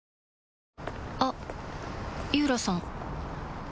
あっ井浦さん